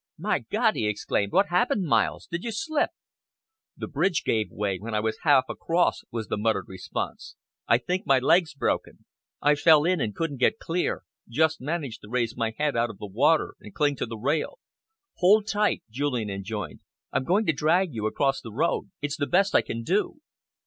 "My God!" he exclaimed. "What happened, Miles? Did you slip?" "The bridge gave way when I was half across," was the muttered response. "I think my leg's broken. I fell in and couldn't get clear just managed to raise my head out of the water and cling to the rail." "Hold tight," Julian enjoined. "I'm going to drag you across the road. It's the best I can do."